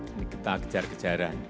ini kita kejar kejaran